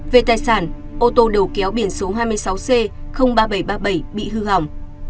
về tài sản ô tô đầu kéo biển số hai mươi sáu c ba nghìn bảy trăm ba mươi bảy bị hư hỏng